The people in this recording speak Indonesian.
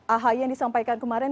ahi yang disampaikan kemarin